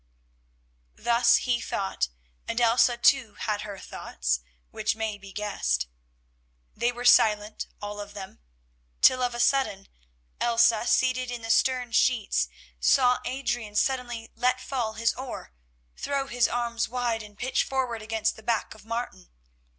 Thus he thought, and Elsa too had her thoughts, which may be guessed. They were silent all of them, till of a sudden, Elsa seated in the stern sheets, saw Adrian suddenly let fall his oar, throw his arms wide, and pitch forward against the back of Martin.